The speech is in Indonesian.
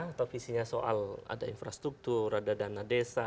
atau visinya soal ada infrastruktur ada dana desa